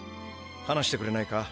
話してくれないか？